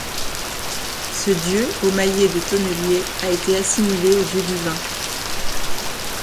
Ce dieu au maillet de tonnelier a été assimilé au dieu du vin.